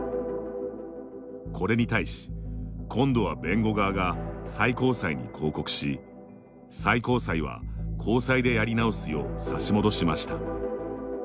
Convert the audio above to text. これに対し、今度は弁護側が最高裁に抗告し最高裁は高裁でやり直すよう差し戻しました。